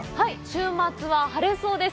週末は晴れそうです。